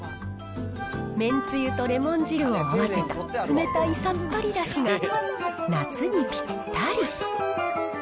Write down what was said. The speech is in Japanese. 麺つゆとレモン汁を混ぜた冷たいさっぱりだしが、夏にぴったり。